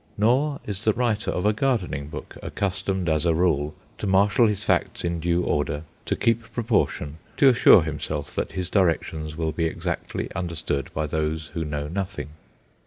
Nor is the writer of a gardening book accustomed, as a rule, to marshal his facts in due order, to keep proportion, to assure himself that his directions will be exactly understood by those who know nothing.